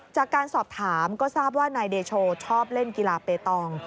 จากการสอบถามก็ทราบว่านายเดโชชอบเล่นกีฬาเปตอง